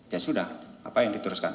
ya sudah apa yang diteruskan